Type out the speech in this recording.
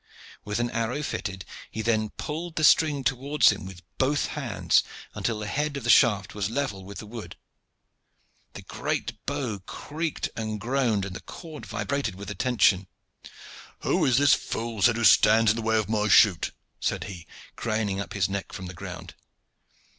With an arrow fitted, he then pulled the string towards him with both hands until the head of the shaft was level with the wood. The great bow creaked and groaned and the cord vibrated with the tension. "Who is this fool's head who stands in the way of my shoot?" said he, craning up his neck from the ground.